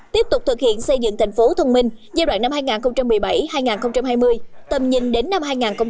tiếp tục thực hiện xây dựng tp hcm giai đoạn năm hai nghìn một mươi bảy hai nghìn hai mươi tầm nhìn đến năm hai nghìn hai mươi năm